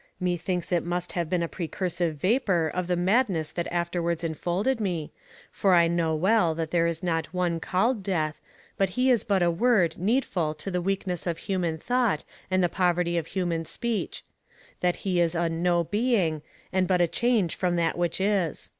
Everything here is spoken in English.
Methinks it must have been a precursive vapour of the madness that afterwards infolded me, for I know well that there is not one called Death, that he is but a word needful to the weakness of human thought and the poverty of human speech; that he is a no being, and but a change from that which is.